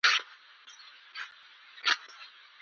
کینه د روح زهر دي.